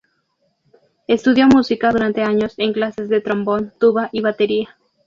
Estudió música durante años en clases de trombón, tuba y batería.